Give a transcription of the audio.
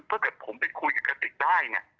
ถ้าผมไม่ได้ไปกับกระติกให้นี่